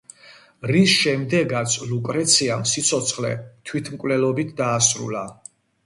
რის შემდეგაც ლუკრეციამ სიცოცხლე თვითმკვლელობით დაასრულა.